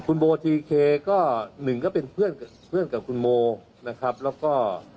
คุณโบทีเคก็หนึ่งก็เป็นเพื่อนกับคุณโมนะครับแล้วก็